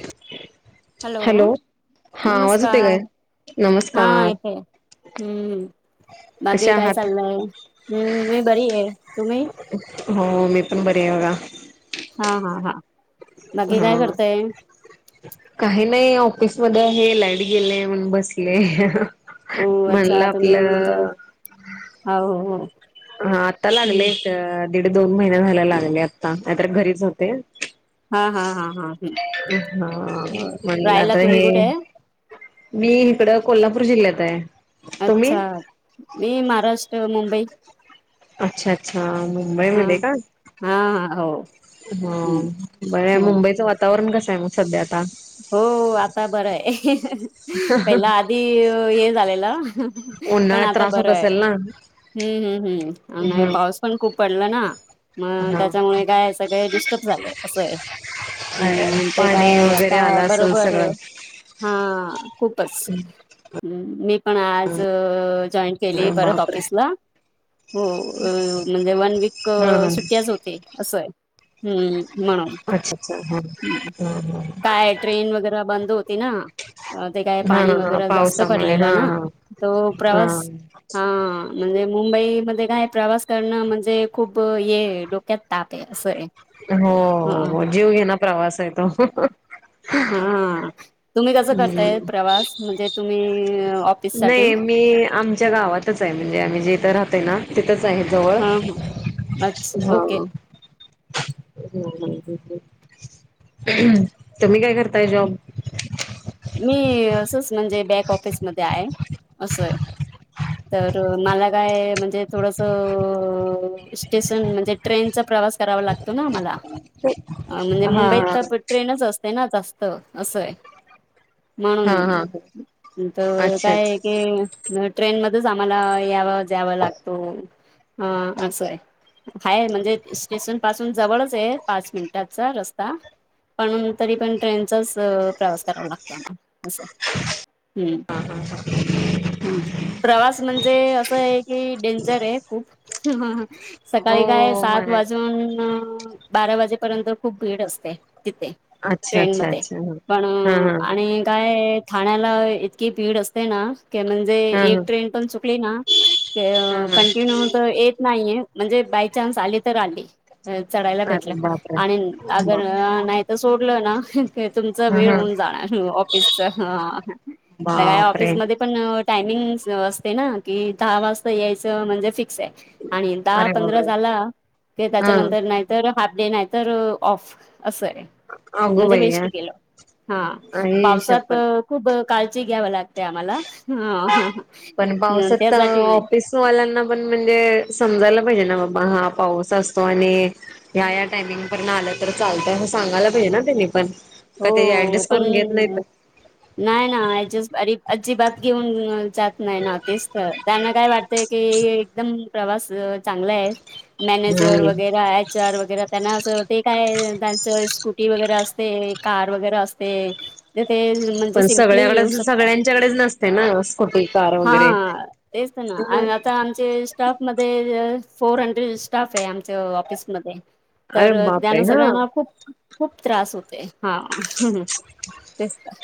ह हॅलो! येतोय काय? नमस्कार, हा नमस्कार ऐका हा हम. बाकी कशा काय आहात? चाललंय? हम्म मी बरी आहे, तुम्ही? हो, मी पण बरी आहे बघा. हा हा हा. बाकी काय हा. करताय काही नाही, ऑफिस मध्ये आहे, लाईट गेले म्हणून बसले म्हणलं, आपलं. हाव, हो. हा आत्ता लागले, हम्म दीड दोन महिना व्हायला लागले आता नाहीतर घरीच होते. हा हा हा हा हा हो म्हणल राहायला आत्ता तुम्ही हे. कुठे आहे मी हीकडं कोल्हापूर जिल्ह्यात आहे. तुम्ही? अच्छा! मी महाराष्ट्र मुंबई. अच्छा, अच्छा! हा मुंबईमध्ये का? हा हा हो हम्म बर हो मुंबईचा वाताव वातावरण कस आहे मग, सध्या आता. हो, आता बरं ये. पहिला आधी, हे झालेलं पण उन्हाळ्यात आता त्रास होत बरं हाय. असेल ना हम्म हम् हम्म आणि ह नाही पाऊस पण खूप पडलं ना मग, हा त्याच्यामुळे काय सगळे डिस्टप झाले असं ये. हम्म. ते पाणी काय, वगैरे हा आलं असेल बरोबर सगळं हा खूपच. मी पण आज जॉइंट केली परत बापरे ऑफिसला हो म्हणजे वन वीक हा हा सुट्टीयाच होती. असं, हम् म्हणून. अच्छा अच्छा हा ह काय ट्रेन वगैर, बंद होती ना? ते काय हा पाणी हा वगैरे जास्त पावसामुळे भरलेला हा ना. हा तो हा प्रवास हा, म्हणजे मुंबईमध्ये, काय प्रवास करणं म्हणजे खूप ये आहे ड ते ताप असं हो ह. हो जीव घेना प्रवास आहे तो. हा हा तुम्ही कसं करताय हम्म प्रवास म्हणजे तुम्ही ऑफिस साठी नाही मी आमच्या गावातच आहे म्हणजे आम्ही जेथं राहतोय ना. तिथच आहे जवळ हा हा अच्छा ओके हा. [inaudible] तूम्ही काय करताय जॉब? मी असंच म्हणजे बॅक ऑफिसमध्ये आहे असं आहे. तर मला काय म्हणजे थोडसं स्टेशन म्हणजे ट्रेनचा प्रवास करावा लागतो ना आम्हाला. [unintelligible] अ. म्हणजे हा मुंबईत तर ट्रेनच असते ना, जास्त असं ये. हा हा म्हणून, हा तर अच्छा काय अच्छा की. हम्म.. ट्रेन मधेच आम्हाला याव जावं लागतो, हां असं आहे. हाय म्हणजे स्टेशन पासून जवळच आहे पाच मिनटांचा रस्ता. पणून तरी पण ट्रेनचाच प्रवास करावा लागतो आम्हाला असं आहे हम्म. हा हा हा. प्रवास म्हणजे असं आहे, की डेंजर आहे खूप. सकाळी काय हो सात माय वाजून बारा वाजे पर्यंत खूप भीड असते तिथे, अच्छा ट्रेन अच्छा मध्ये अच्छा ह पण हा आणि. काय ठाण्याला इतकी पीड असते ना क म्हण जे हा हा एक ट्रेन पण चुकली ना ते अ हा कंटिन्यू तर येत नाहीय म्हणजे बाय चान्स आली तर आली, चढायला अरे भेटला. बापरे आणि अगर बाप नाही तर सोडलं ना तुमचं की ह वेळ ह होऊन जाणार ऑ तीसचा हा हा. काय बापरे! ऑफिसमध्ये पण टायमिंग असते ना कि, दहा वाजता यायचं म्हणजे फिक्स. असं आहे आणि दहा अरे पंधरा बापरे झाला कि, त्याचा हा नंतर हाफ. डे नाही तर, ऑफ असं आहे. अगो म्हणजे बाई वेस्ट गेलं, हा आई पावसात. शपथ खूप काळजी घ्याव लागते, आम्हाला हा त्यासाठी. ऑफिस वाल्यांना पण म्हणजे, समजायला पाहिजे ना बाबा हा पाऊस असतो आणि. या या टाइमिंग पर्यत आलं, तर चालतंय असं सांगायला पाहिजे ना त्यांनी पण. का ते, हो ऍडजस्ट पण करून घेत नाहीत. नाही ना ऍडजस्ट अरे अजिबात घेऊन जात नाही ना, तेच तर त्यांना काय वाटतंय की. एकदम प्रवास चांगला आहे, मॅनेजर हम्म वगैर आहेत. चार वगैरे त्यांना असं ते काय त्यांचा स्कूटी वगैरे असते. कार वगैरे असते ते ते म्हणजे सिम्पली येऊ सकता. त्याच्याकडेच नसते ना स्कुटी. कार हा, वगैरे तेच ना आणि आत आता आमचे स्टाफ मध्ये फोर हॅन्ड्रेड स्टाफ आहे आमच्या ऑफिसमध्ये. अरे तर बापरे त्यांना हा सगळ्यांना खूप खूप त्रास होते हा तेच तर.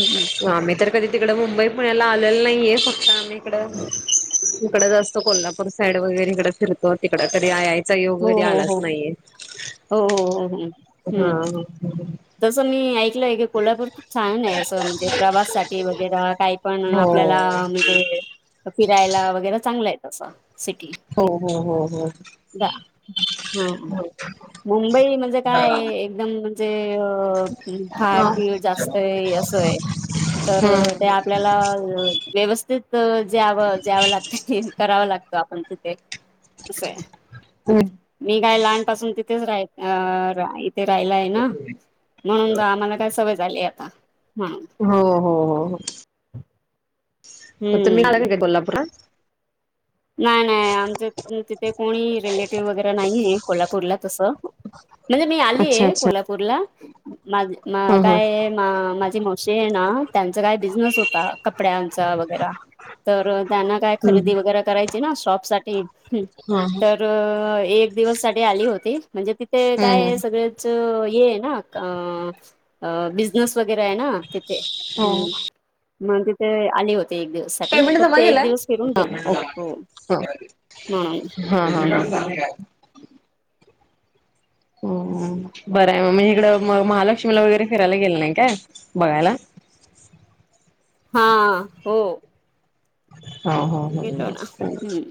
हम्म. आम्ही तर कधी तिकड मुंबई पुण्याला आलेल नाहीये फक्त आम्ही इकडं जास्त तो कोल्हापूर साईड वगैरे इकडे फिरतो तिकड तरी आय आय सहयोग हो कधी हो आलाच हो नाहीये हो हो हो हो हा हम्म ह. तसं मी ऐक कोल्हापूर खूप छान आहे असं म्हणजे प्रवास साठी वगैरे काही पण आपल्याला. हो ते फिरायला वगैरे चांगला आहे, तसं सिटी. हो हो हो हो. हम. मुंबई म्हणजे, काय एकदम. जे फाड हो बीळ जास्त आहे अस आहे तर. ते आपल्याला व्यवस्थित ज्यावं द्यावं लागत करावं लागतं आपण तिथे. हम्म मी काय लहानपासून तिथेच राय अ रा ते राहिलाय ना म्हणून आम्हाला काय सवय झाली आता म्हणून. हो हो हो होता मी काय हम्म. का का कोल्हापूरात [unintelligible] नाही नाही आमच तिथे कोणी रिलेटिव्ह वगैरे नाही आहे कोल्हापूरला तसं. म्हणजे मी अच्छा आलीय अच्छा कोल्हापूरला माझ हा हा काय हा माझी मावशी आहे ना त्यांचा काय बिझनेस होता कपड्यांचा वगैरे तर त्यांना काय हम्म खरेदी वगैरे करायची ना शॉप साठी हा तर एक दिवस साठी आली होती. म्हणजे तिथे हम्म काय सगळच ये आहे ना अ अ बिजनेस वगैरे आहे ना तिथे हो ह् मग तिथे आली होती. एक दिवस साठी पेमेंट फक्त जमा एक केलाय? दिवस फिरून गेईल हो ह हम्. आणि काय? हम हम बरं आहे म्हणजे इकडं म महालक्ष्मीला वगैरे फिरायला गेले नाही काय बघायला? हा हो. हा हा गेलो हा. ना हम्म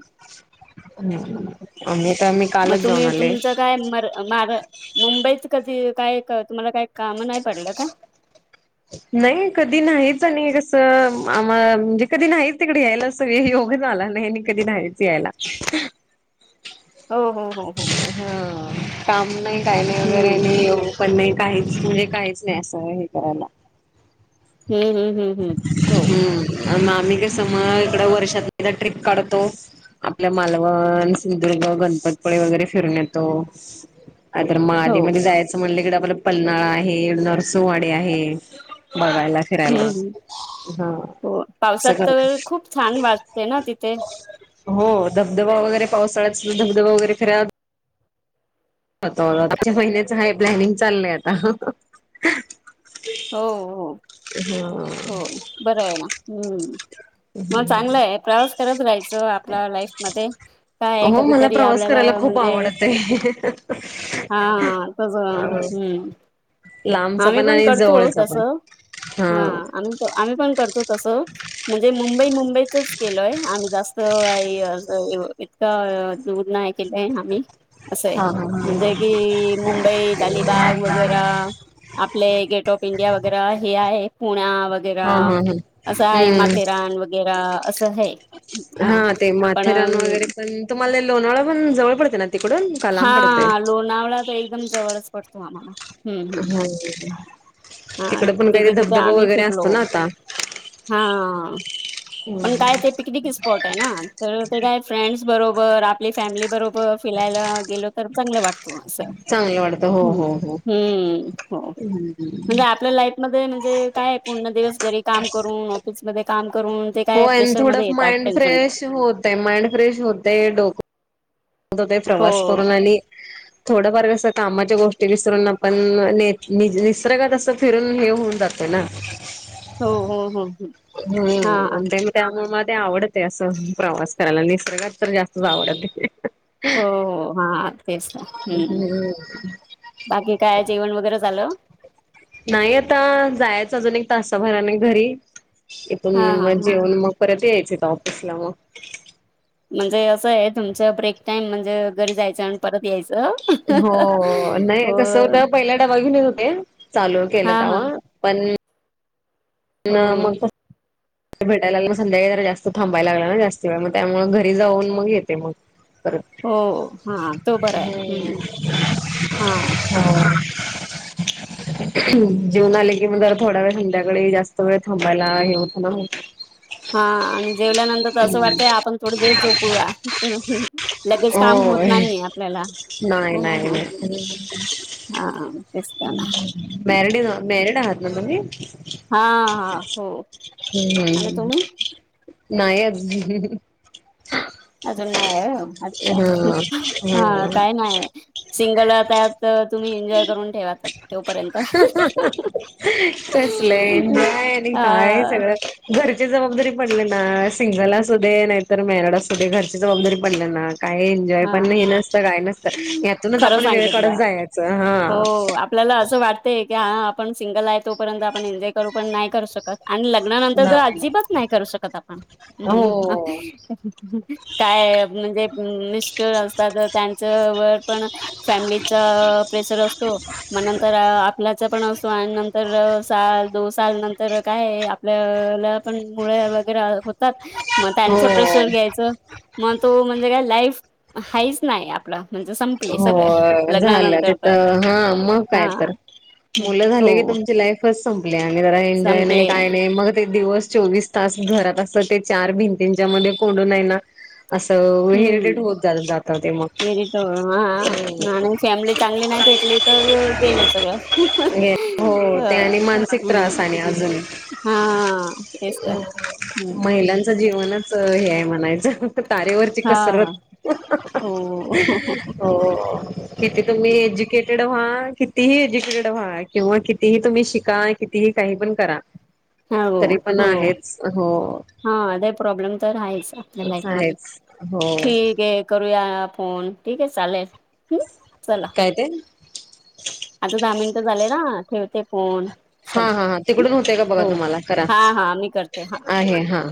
हम्म आम्ही तर आम्ही मग कालच जाऊन तुम्ही आले. तुमचं काय मर मार मुंबईच कधी काय तुम्हाला काही काम नाही पडलं का? [unintelligible] नाही कधी नाहीच आणि कसं आम म्हणजे कधी नाहीच तिकडे यायला कधी योग आला नाही कधी नाहीहायच यायला. हो हो हो हो. हा काम नाही काय नाही हम्म वगैरे नाही येऊ पण नाही काहीच म्हणजे काहीच नाही असं हे करायला. हम्म हम्म हम्म हम्म हो. हम्म आम्ही कस मग इकड वर्षात ट्र्रीप काढतो. आपल्या मालवण सिंधदुर्ग गणपतपुळी वगैरे फिरून येतो. तर म हो आदीमध्ये जायचं म्हणलं कि आपला पलनाळा आहे नरसंवाडी आहे. बघायला फिरायला हम्म हम्म हा हो पावसात तर सगळंच खूप छान वाटते ना तिथे. हो धबधबा वगैरे पावसाळ्यात धबधबा वगैरे फिरा हो [unintelligible] आच्या महिन्याच काय प्लॅनिंग चाललंय आता. हो हो ह हो बरं आहे ना. हम्म मग चांगला आहे प्रवास तरच राहायचं आपल्या लाईफ मध्ये काय हो मला कधीतरी प्रवास आपल्याला करायला खूप म्हणजे आवडते. [unintelligible] हा तस हम्म. लांबचा आम्ही पण आणि करतो जवळचा तस पण हा आम्ही आम्ही पण करतो तसं. म्हणजे मुंबई मुंबईतच गेलोय आम्ही जास्त तर दूर नाही केलंय आम्ही असं आहे हा हा हा म्हणजे कि मुंबई अलिबाग वगैर आपले गेट ऑफ इंडिया वगैरे हे आहे पुण्या वगैरा हा हा हा असं आहे, हम्म. माथेरान वगैरा असं हय. हा ते माथेरान वगैरे पण, तुम्हाला लोणावळा पण जवळ पडते ना तिकडून? का लांब पडतय? हा लोणावळा तर एकदम जवळच पडतो आम्हाला. हम्म हा हम्म हा इकड पण काही तिथे धबधबा वगैरे असतो ना आता. हा हा हो. पण काय ते पिकनिक स्पॉट आहे ना तर ते काय फ्रेंड्स बरोबर आपली फॅमिली बरोबर फिलायला गेलो. तर चांगलं वाटतो असं चांगलं वाटतं हो ह् हो हो. हम्. हो हम्म. म्हणजे आपलं लाईफ. मध्ये म्हणजे काय? पूर्ण दिवस घरी काम करून ऑफिस मध्ये काम करून ते काय होय आणि प्रेशरमध्ये थोडं येतात माइंड टेन्शन फ्रेश होत आहे माइंड फ्रेश होतय डोक दोतंय, हो प्रवास करून आणि थोडंफार कसं कामाच्या गोष्टी विसरून आपण निसर्गात असं फिरून हे होऊन जात ना. [unintelligible] हो हो, हो हो, हा हम्म हा. आणि ते त्यामुळे मला ते आवडत आहे असं प्रवास करायला निसर्गात तर जास्तच आवडत. हो हो हा, तेच तर हम्म. बाकी काय जेवण वगैरे झालं? नाही आता जायचं अजून एक तासाभराने घरी इथून हा हा मग हा जेऊन मग परत यायच इथं ऑफिसला मग. म्हणजे असं आहे तुमचं ब्रेक टाइम म्हणजे घरी जायचं आण हो, नाही हो कस होत पहिला डबा घेऊन येत होते, चालू केलं हा हा तेव्हा. पण हो ण मग कस पगार जास्त भेटायला लागला ना मग संध्याकाळी जाऊन थांबायला लागला ना जास्त वेळ मग त्यामुळे घरी जाऊन मग येते मग. बरं, हो हा तो बरा आहे हम्म हा हा. [inaudible] जेऊन आले कि मग जरा थोडा वेळ संध्याकाळी जास्त वेळ थांबायला हे होत ना मग. हा आणि जेवल्यानंतर तर असं वाटतंय आपण थोड देर झोपूया. लगेच काम होत होय. नाहीये आपल्याला. नाही हो हो नाही हो हो नाही, हा तेच तर ना मॅरडी नव्ह मेरिड आहात ना तुम्ही? हा हा हो, हम्म आणि हम्म. तुम्ही नाही अजू अजून नाहीये ह्यो हा अच्छा हा काय नाही सिंगल त्यात. तर तुम्ही एन्जॉय करून ठेवात तोपर्यंत. लिंक आहे अ सगळं. घरची जबाबदारी पडली ना, सिंगल असुदे नाहीतर मेरड असुदे घरची जबाबदारी पडली ना. काय एन्जॉय पण हे हा नसतं काय नसतं, यातूनच खरं आपण वेळ सांगितलं काढत जायचं हा. हो आपल्याला असं वाटतय की हा आपण सिंगल आहे, तोपर्यंत आपण एन्जॉय करू पण नाही करू शकत. आणि लग्नानंतर तर अजिबच नाही करू शकत आपण. हो काय म्हणजे मिस्ठर असतात त्यांच्या वर पण. फॅमिलीचा प्रेशर असतो. मग नंतर आपल्याच पण असो आणि नंतर साल दोन साल नंतर काय आहे, आप वेळेल पण मुळे वगैरे होतात. मग त्यांच हो प्रेशर घ्यायचं मग तो म्हणजे काय लाईफ. हाईच नाही आपलं म्हणजे संप हो झालं तिथं हा मग काय हा. तर? हं, मुलं झाले की हो तुमची लाईफच संपली आणि त्या एन्जॉय नाही संपले काय नाही मग ते दिवस चोवीस तास घरात असतं ते चार भिंतींच्या मध्ये कोंडून आहे ना असं हेरिडेेड हम्म होत जात ते मग. एरिट हा हा आणि फॅमिली चांगली नाही भेटली तर गेल सगळं. हो ह ते आणि मानसिक त्रास आणि अजून. हां.. तेच तर. हम्म महिलांच जीवनच हे आहे म्हणायचं, तारेवर ती हा कसरत हो हो किती तुम्ही एज्युकेटेड व्हा, कितीही एज्युकेटेड व्हा किंवा कितीही तुम्ही शिका. कितीही काही पण करा, तरी पण आहेच हो. हां.. आ प्रॉब्लेम तर आहेच, आपल्या लाईफ मध्ये आहेच हो ठीक आहे. करूया फोन ठीक आहे, चालेल हम्म चला. काय ते, आता दहा मिनिटं झाले ना, ठेवते फोन. हा चला हा हा.. हं, तिकडून होते का बघा, हो तुम्हाला करा हा हा मी करते हा आहे हां.